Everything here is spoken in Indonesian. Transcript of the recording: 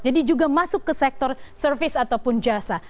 jadi juga masuk ke sektor service ataupun jasa